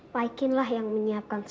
pak ikin lah yang menyiapkan segalanya